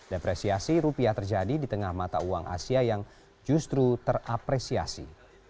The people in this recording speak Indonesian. depresiasi rupiah terjadi di tengah mata uang asia yang justru terapresiasi